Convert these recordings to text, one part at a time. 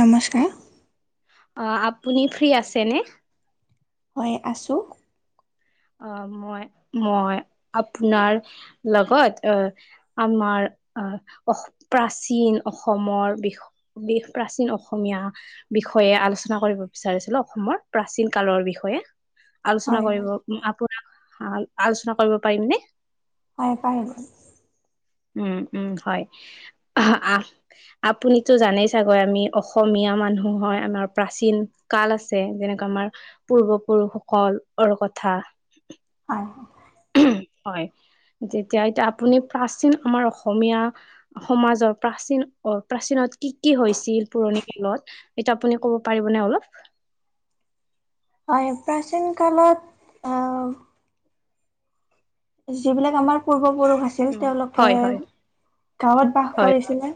নমস্কাৰ! অঁ, আপুনি ফ্ৰী আছেনে? হয়, আছোঁ। আহ, মই, মই আপোনাৰ লগত, আহ আমাৰ অ, প্ৰাচীন অসমৰ বিষ বেশ প্ৰাচীন অসমীয়া বিষয়ে আলোচনা কৰিব বিচাৰিছিলোঁ অসমৰ, প্ৰাচীন কালৰ বিষয়ে আলোচনা হয় কৰিব হয় উম-আপোনাক, আলোচনা কৰিব পাৰিম নে? হয়, পাৰিব। উম, উম, হয়। [inaudible] আপুনিতো জানেই চাগৈ আমি অসমীয়া মানুহ হয়, আমাৰ প্ৰাচীন কাল আছে। যেনেকা আমাৰ পূৰ্বপুৰুষসকল অৰ কথা অহ। হয়, তেতিয়া এতিয়া আপুনি প্ৰাচীন আমাৰ অসমীয়া সমাজৰ, প্ৰাচীন- অ-প্ৰাচীনত, কি কি হৈছিল পুৰণি [unintelligible] এতিয়া আপুনি ক'ব পাৰিবনে অলপ? হয়, প্ৰাচীন কালত, অ' যিবিলাক আমাৰ পূৰ্বপুৰুষ আছ ছিল উম তেওঁলোকে, হয় হয় গাঁৱত বাস হয় কৰিছিলে।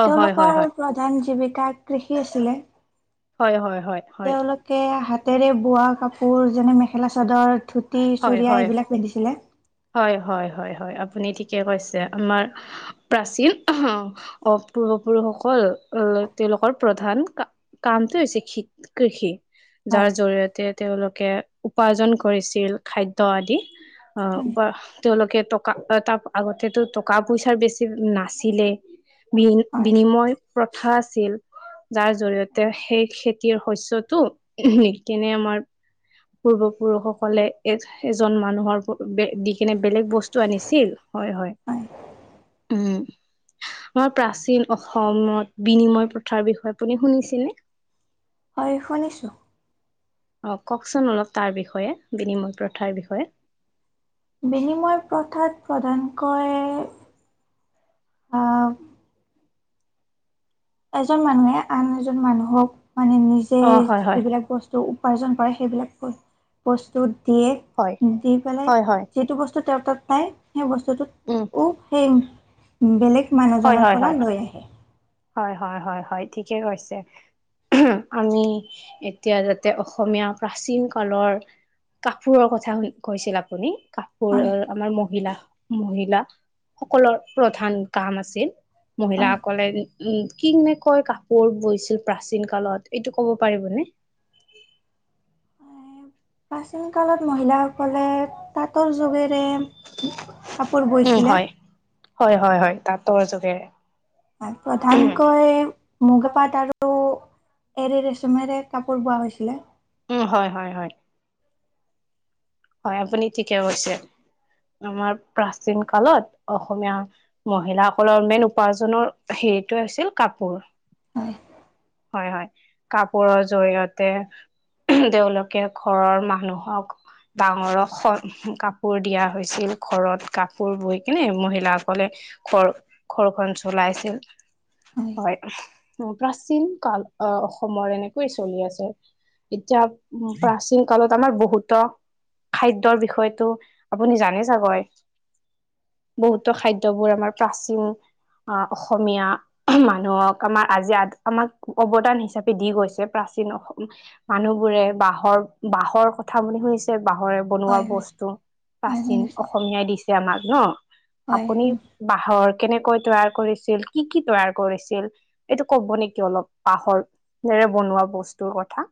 অ হয় হয় তেওঁলোকৰ হয় প্ৰ প্ৰধান জীৱিকা কৃষি আছিলে। হয়, হয়, হয়। হয় তেওঁলোকে হাতেৰে বোৱা কাপোৰ, যেনে মেখেলা চাদৰ, ধুত ধুতি, হয় চুৰিয়া হয় এইবিলাক পিন্ধিছিলে। হয়, হয়, হয়, হয়। আপুনি ঠিকে কৈছে। আমাৰ প্ৰাচীন, [inaudible] অ', পূৰ্বপুৰুষসকল-ল, তেওঁলোকৰ প্ৰধান কা কামটো হৈছে খেত-কৃষি। যাৰ হয় জৰি়য়তে তেওঁলোকে উপাৰ্জন কৰিছিল, খাদ্য আদি। হয় অ', বা, তেওঁলোকে টকা-তাৰ আগতেতো টকা পইছাৰ বেছি নাছিলে, হয় বিন-বিনিময় প্ৰথা আছিল। যাৰ জৰিয়তে সেই খেতিৰ শস্যটো, নি কেনে আমাৰ পূৰ্বপুৰুষসকলে এ-এজন মানুহৰ প-বে-দি কেনে বেলেগ বস্তু আনিছিল। হয়, হয়, উম। আমাৰ প্ৰাচীন অসমত বিনিময় প্ৰথাৰ বিষয়ে আপুনি শুনিছেনে? হয়, শুনিছোঁ। অ', ক'কচোন অলপ তাৰ বিষয়ে, বিনিময় প্ৰথাৰ বিষয়ে। বিনিময় প্ৰথাত প্ৰধানকৈ, আহ এজন মানুহে আন এজন মানুহক মানে, নিজে অ হয় হয় যিবিলাক বস্তু টো উপাৰ্জন কৰে সেইবিলাক বছ-বস্তু হয় দিয়ে। দি পেলাই হয় হয় যিটো বস্তু তেওঁৰ তাত পায়, সেই বস্তুটোত উম। টো সেই, বেলেগ হয় মানুহজনৰ হয় পৰা হয় লৈ আহে। হয়, হয়, হয়, হয়, ঠিকে কৈছে। [inaudible] আমি, এতিয়া যাতে অসমীয়া প্ৰাচীন কালৰ কাপোৰৰ কথা কৈছিল আপুনি। হয় কাপোৰৰ আমাৰ মহিলা- মহিলা সকলৰ প্ৰধান কাম আছিল, হয় মহিলাসকলে উম, কিনেকৈ কাপোৰ বৈছিল প্ৰাচীন কালত, এইটো ক'ব পাৰিবনে? প্ৰাচীন কালত মহিলাসকলে তাঁতৰ যোগেৰে কাপোৰ উম বৈছিলে। হয় হয়, হয়, হয়, তাঁতৰ যোগেৰে। হয়, প্ৰধানকৈ মুগা পাট আৰু এৰি চুমেৰেমেৰে কাপোৰ বোৱা হৈছিলে। উম হয় হয় হয়। হয় আপুনি ঠিকে কৈছে আমাৰ প্ৰাচীন কালত অসমীয়া মহিলাসকলৰ মেইন উপাৰ্জনৰ হেৰিটোৱে আছিল কাপোৰ। হয় হয় হয়, কাপোৰৰ জৰিয়তে তেওঁলোকে ঘৰৰ মানুহক ডাঙৰক স কাপোৰ দিয়া হৈছিল, ঘৰত কাপোৰ বৈ কেনে মহিলাসকলে ঘৰ ঘৰখন চলাইছিল হয়। প্ৰাচীন কাল আঁহ অসমৰ এনেকৈয়ে চলি আছে। এতিয়া উ প্ৰাচীন কালত আমাৰ বহুতো খাদ্যৰ বিষয়টো আপুনি জানে চাগৈ বহুতো খাদ্যবোৰ আমাৰ প্ৰাচীন অঁহ অসমীয়া। মানুহক আমাৰ আজি আমাক অৱদান হিচাপে দি গৈছে প্ৰাচীন অসমে মানুহ বোৰে বাঁহৰ বাঁহৰ কথা বুলি শুনিছে বাঁহৰে বনোৱা হয় হয় বস্তু হয় প্ৰাচীন শুনিছোঁ অসমীয়াই দিছে আমাক ন। হয় আপুনি বাঁহৰ কেনেকৈ তৈয়াৰ কৰিছিল কি কি তৈয়াৰ কৰিছিল? এইটো ক'ব নেকি অলপ পাহৰৰে বনোৱা বস্তুৰ কথা।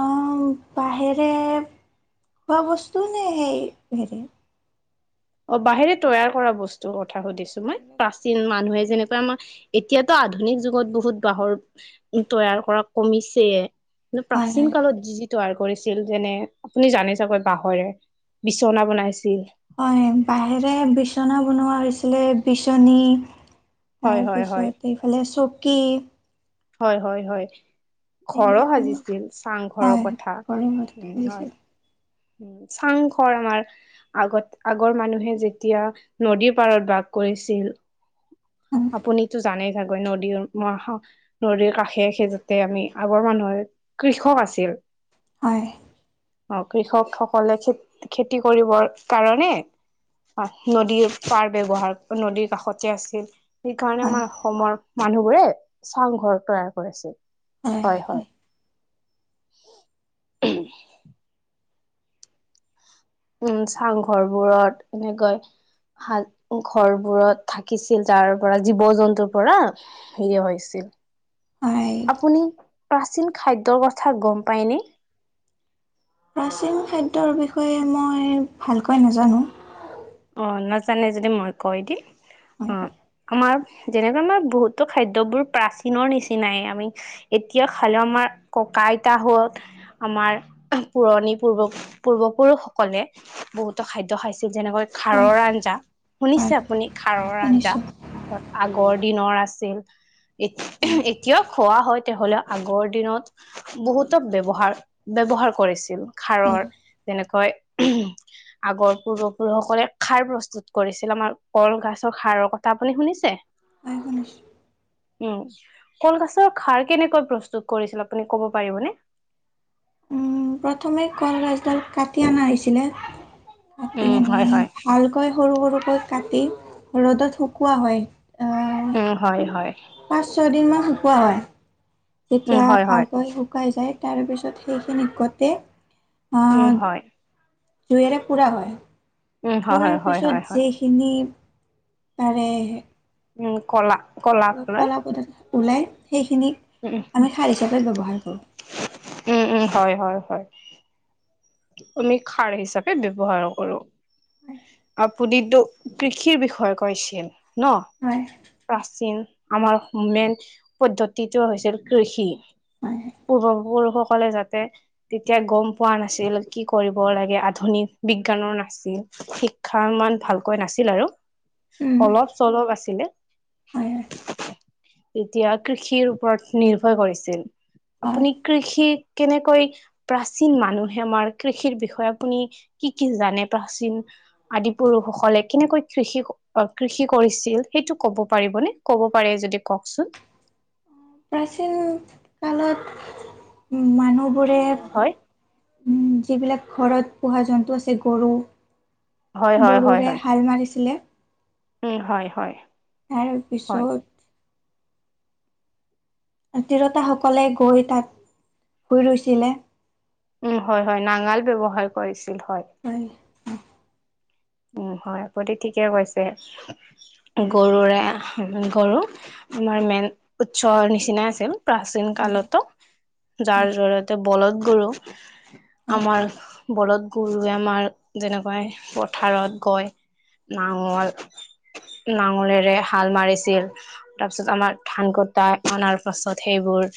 অঁ বাঁহেৰে খোৱা বস্তু নে সেই হেৰি অঁ বাহেৰে তৈয়াৰ কৰা বস্তুৰ কথা সুধিছো মই ‍ প্ৰা চিন মানুহে যেনেকুৱা আমাৰ এতিয়াতো আধুনিক যুগত বহুত বাঁহৰ তৈয়াৰ কৰা কমিছে, কিন্তু হয় প্ৰাচীন হয় কালত যি যি তৈয়াৰ কৰিছিল, যেনে আপুনি জানে চাগৈ বাঁহৰে বিচনা বনাইছিল। হয়, বাহেৰে বিচনা বনোৱা হৈছিলে বিচনী। হয় হয় হয় তাৰপিছত এইফালে চকী। হয় হয় হয়। ঘৰো এইবিলাক সাজিছিল হয় চাংঘৰৰ কথা, ঘৰৰ মাজত উম হয়। আহিছিল চাংঘৰ আমাৰ। আগত আগৰ মানুহে যেতিয়া নদীৰ পাৰত বাস কৰিছিল। হয় আপুনিতো জানেই চাগৈ নদীৰ মৰ্হা নদীৰ কাষে গৈছে আমি আগৰ মানুহৰ কৃষক আছিল। হয়। অঁ কৃষক সকলে খ খেতি কৰিবৰ কাৰণে নদীৰ পাৰ ব্যৱহাৰ নদীৰ কাষতে আছিল। সেইকাৰণে আমাৰ হয় অসমৰ মানুহবোৰে চাংঘৰ তৈয়াৰ কৰিছিল। হয়।। হয় হয় উম, চাংঘৰ বোৰত এনেকৈ হাল, ঘৰবোৰত থাকিছিল তাৰ পৰা জীৱ জন্তুৰ পৰা হেইয়ে হৈছিল। হয় আপুনি প্ৰাচীন খাদ্যৰ কথা গম পায়নে? প্ৰাচীন খাদ্যৰ বিষয়ে মই ভালকৈ নাজানো। অ নাজানে যদি মই কৈ দিম, হয় অঁ আমাৰ যেনেকুৱা আমাৰ বহুতো খাদ্যবোৰ প্ৰাচীনৰ নিচিনাই আমি এতিয়া খালমাৰ ককা আইতাহত আমাৰ পুৰণি পূৰ্ব- পূৰ্বপুৰুষসকলে বহুতো খাদ্য খাইছে, যেনেকৈ হয় খাৰৰ আঞ্জা, হয় শুনিছে আপুনি, খাৰৰ আঞ্জা? শুনিছোঁ আগৰ দিনৰ আছিল। এ হয় এতিয়াও খোৱা হয়, তেও হলেও আগৰ দিনত বহুতক ব্যৱহাৰ- ব্যৱহাৰ কৰিছিল, খাৰৰ। হয় যেনেকৈ, আগৰ পূৰ্বপুৰুষসকলে খাৰ প্ৰস্তুত কৰিছিল। আমাৰ কলখাছৰ খাৰৰ কথা আপুনি শুনিছে? হয়, শুনিছোঁ। উম, কলখাছৰ খাৰ কেনেকৈ প্ৰস্তুত কৰিছিল আপুনি ক'ব পাৰিবনে? উম, প্ৰথমে কলগছডাল কাটি অনা হৈছিলে, কাটি উম আনি হয় হয় ভালকৈ সৰু, সৰুকৈ কাটি ৰ'দত শুকোৱা হয়। আ উম, হয়- হয়। পাঁচ ছয়দিনমান শুকোৱা হয়। উম তেতিয়া হয় হয় ভালকৈ শুকাই যায়। তাৰপিছত সেইখিনি গোটেই উম, আহ হয়। জুইৰে পোৰা হয়। উম হয় পুৰাৰ হয় হয় হয় পিছত হয় যি কিনি, পাৰে। উম, কলা। কলা পদ ওলাই, সেইখিনিক উম আমি খাৰ হিচাপে ব্যৱহাৰ কৰোঁ। উম- উম, হয়- হয়- হয়। আমি খাৰ হিচাপে ব্যৱহাৰ কৰো। হয়, আপুনিটো কৃষিৰ বিষয়ে কৈছিল ন? হয়। প্ৰাচীন, আমাৰ মেইন পদ্ধতিটো হৈছিল কৃষি। হয়, পূৰ্ব পুৰুষসকলে যাতে, তেতিয়া গম পোৱা নাছিল। কি কৰিব লাগে, আধুনিক বিজ্ঞানৰ নাছিল। শিক্ষাৰ মান ভালকৈ নাছিল আৰু উম, অলপ- চলপ আছিলে। হয়, হয়, এতিয়া কৃষিৰ ওপৰত নিৰ্ভৰ কৰিছে। হয়। আপুনি কৃষি, কেনেকৈ প্ৰাচীন মানুহে আমাৰ কৃষিৰ বিষয়ে আপুনি কি কি জানে, প্ৰাচীন আদি পুৰুষসকলে কেনেকৈ কৃষি- কৃষি কৰিছিল, সেইটো ক'ব পাৰিবনে? ক'ব পাৰে যদি কওকচোন? প্ৰাচীন কালত মানুহবোৰে হয় উম, যিবিলাক ঘৰত পোহা জন্তু আছে গৰু, হয় হয় হয় গৰুৰে হয় হাল মাৰিছিলে। উম, হয়- হয়। হয় তাৰপিছত তিৰোতাসকলে গৈ তাত, বুই ৰুইছিলে। উম, হয়- হয়, নাঙল ব্যৱহাৰ কৰিছিল হয়। হয়। উম, হয়, আপুনি ঠিকেই কৈছে। গৰুৰে হাল, গৰু আমাৰ মেইন উৎসৰ নিচিনা আছিল। প্ৰাচীন হয় কালতো, যাৰ হয় জৰিয়তে বলদ গৰু হয় আমাৰ বলদ গৰুৱে, আমাৰ যেনেকৈ প্ৰ পথাৰত গৈ, নাঙল নাঙলেৰে হাল মাৰিছিল। তাৰপিছত আমাৰ ধান কটা, আনাৰ পাছত সেইবোৰ।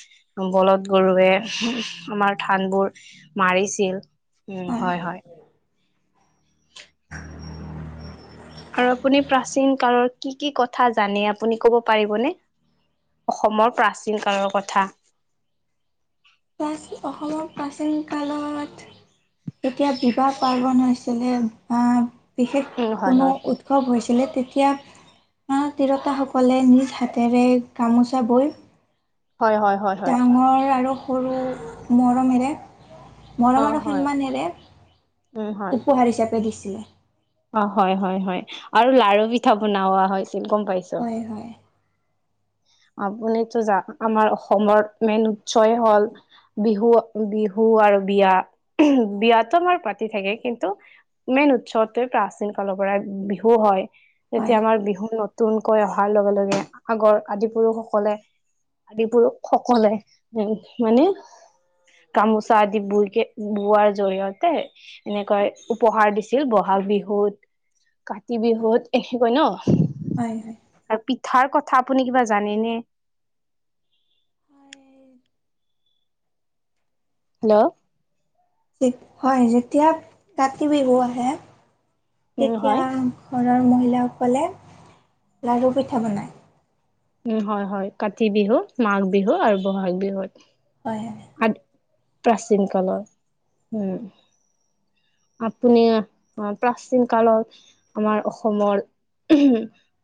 বলদ গৰুৱে, আমাৰ ধানবোৰ মাৰিছিল। উম হয়, হয়। আৰু আপুনি প্ৰাচীন কালৰ, কি কি কথা জানে আপুনি ক'ব পাৰিবনে? অসমৰ প্ৰাচীন কালৰ কথা। পাছ অসমৰ প্ৰাচীন কালৰ বাত এতিয়া বিবাহ পাৰ্বন হৈছিলে বা বিশেষ উম হয় কোনো হয় উৎ উৎসৱ হৈছিলে তেতিয়া, তিৰোতাসকলে নিজ হাতেৰে গামোচা বৈ হয়, হয়, হয়। হয় ডাঙৰ আৰু সৰু মৰমেৰে মৰম অ আৰু হয় সন্মানেৰে উম হয় উপহাৰ হিচাপে দিছিলে। অ হয় হয় হয় আৰু লাৰু পিঠা বনওোৱা হৈছিল, গম পাইছোঁ। হয় হয় আপুনিটো জান, আমাৰ অসমৰ মেইন উৎসই হ'ল। বিহু, বিহু আৰু বিয়া। বিয়াতো আমাৰ পাতি থাকে, কিন্তু মেইন উৎসত। তে প্ৰাচীন কালৰ পৰাই বিহু হয়, হয় যেতিয়া আমাৰ বিহু ন তুনকৈ অহাৰ লগে লগে আগৰ আদি পুৰুষসকলে আদি পুৰুষসকলে উ মানে? গামোচা আদি বইকে বোৱাৰ জৰিয়তে। এনেকৈ উপহাৰ দিছিল। বহ ভাল বিহুত, কাতি বিহুত এনে কয় ন। হয়, হয়। আৰু পিঠাৰ কথা আপুনি কিবা জানেনেে? হেল্ল'? হয় যেতিয়া, কাতি বিহু আহে উম তেতিয়া হয় ঘৰৰ মহিলাসকলে, লাডু পিঠা বনায়। উম হয় হয়, কাতি বিহু, মাঘ বিহু আৰু বহাগ বিহুত হয়। আদি প্ৰাচীন কালত উম। আপুনি প্ৰাচীন কালত আমাৰ অসমৰ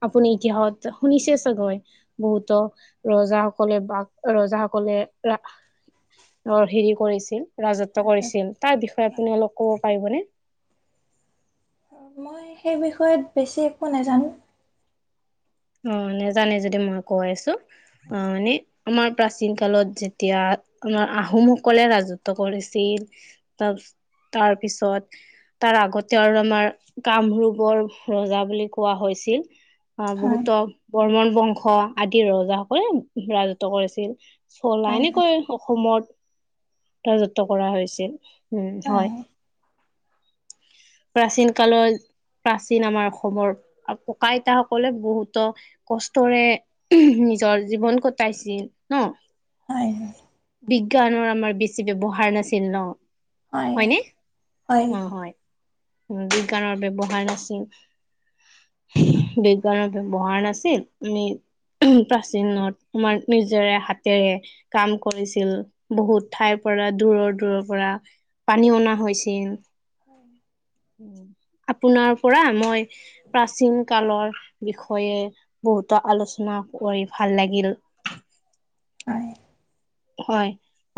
আপুনি ইতিহাসত শুনিছে চাগৈ। বহুতো ৰজাসকলে ৰজাসকলে অ' হেৰি কৰিছিল, ৰাজত্ব হয় হয়। কৰিছিল, তাৰ বিষয়ে আপুনি অলপ ক'ব পাৰিবনে? মই সেই বিষয়ত বেছি একো নাজানো। অ নেজানে যদি মই কৈ আছো, অ এনে। আমাৰ প্ৰাচীন কালত যেতিয়া, আমাৰ আহোমসকলে ৰাজত্ব কৰিছিল। তাৰ তাৰ পিছত তাৰ আগতে আৰু আমাৰ, কামৰূপৰ ৰজা বুলি কোৱা হৈছিল। আ হয় বহুতক বৰ্মন বংশ আদিৰ ৰজাসকলে ৰাজত্ব কৰিছিল। চলা হয় এনেকৈ অসমত ৰাজত্ব কৰা হৈছিল। উম হয়। প্ৰাচীন কালৰ, প্ৰাচীন আমাৰ অসমৰ ককা, আইতা সকলে বহুত কষ্টৰে নিজৰ জীৱন কটাইছিল ন। হয়, হয়। বিজ্ঞানৰ আমাৰ বেছি ব্যৱহাৰ নাছিল ন। হয় নে? অ' হয়। বিজ্ঞানৰ ব্যৱহাৰ নাছিল, বিজ্ঞানৰ ব্যৱহাৰ নাছিল আমি প্ৰাচীনত আমাৰ নিজেৰে হাতেৰে কাম কৰিছিল বহুত ঠাইৰ পৰা দূৰৰ দূৰৰ পৰা। পানী অনা হৈছিল। [inaudible] আপোনাৰ পৰা মই প্ৰাচীন কালৰ বিষয়ে বহুতো আলোচনা কৰি ভাল লাগিল। [inaudible] হয়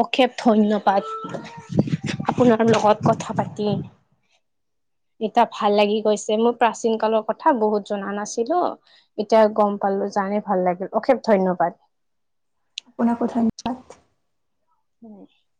অশেষ ধন্যবাদ। আপোনাৰ লগত কথা পাতি এতিয়া ভাল লাগি গৈছে মোৰ প্ৰাচীন কালৰ কথা বহুত জনা নাছিলো। এতিয়া গম পালো জানি ভাল লাগিল অশেষ ধন্যবাদ। [unintelligible] [inaudible]